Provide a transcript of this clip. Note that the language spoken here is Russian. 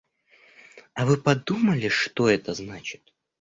А вы подумали, что это значит?